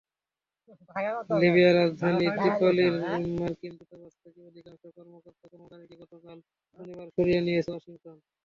লিবিয়ার রাজধানী ত্রিপোলির মার্কিন দূতাবাস থেকে অধিকাংশ কর্মকর্তা-কর্মচারীকে গতকাল শনিবার সরিয়ে নিয়েছে ওয়াশিংটন।